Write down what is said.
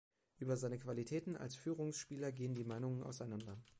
Über seine Qualitäten als Führungsspieler gehen die Meinungen auseinander.